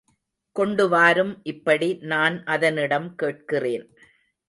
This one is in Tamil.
கொண்டு வாரும் இப்படி நான் அதனிடம் கேட்கிறேன்.